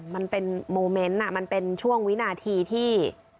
มันเป็นโมเมนต์มันเป็นช่วงวินาทีที่